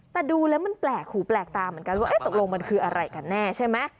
แต่ดูแล้วมันแปลกหูแปลกตาเหมือนกันว่าตกลงมันคืออะไรกันแน่ใช่ไหม